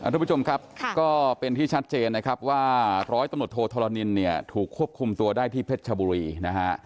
ทุกผู้ชมครับก็เป็นที่ชัดเจนนะครับว่าร้อยตำรวจโทธรณินเนี่ยถูกควบคุมตัวได้ที่เพชรชบุรีนะฮะ